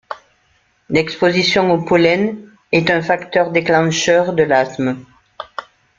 L'exposition au pollen est un facteur déclencheur de l'asthme.